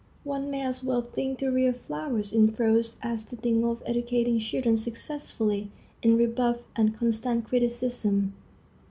One may as well think to rear flowers in frost as to think of educating children successfully in rebuff and constant criticism.